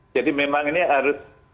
jadi memang ini harus